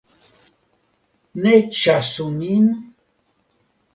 Ne ĉasu min?